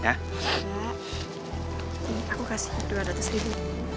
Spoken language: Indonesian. nggak aku kasih dua ratus ribu